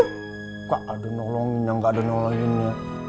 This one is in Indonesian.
nggak ada nolonginnya nggak ada nolonginnya